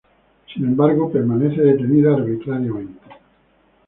Sin embargo permanece detenida arbitrariamente.